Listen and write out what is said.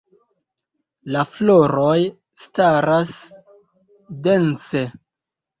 La floroj staras dense.